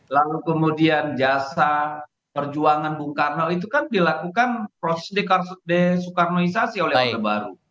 lalu kemudian jasa perjuangan bung karno itu kan dilakukan proses de soekarnoisasi oleh orde baru